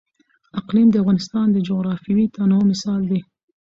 اقلیم د افغانستان د جغرافیوي تنوع مثال دی.